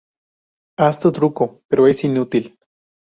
Haz tu truco", pero es inútil.